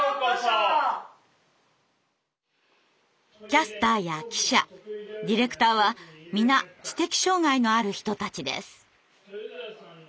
キャスターや記者ディレクターは皆知的障害のある人たちです。